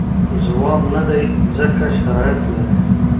ځواب نه دی ځکه شرایط لري.